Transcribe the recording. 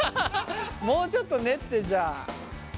もうちょっと練ってじゃあ。